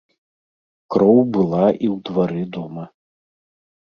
Кроў была і ў двары дома.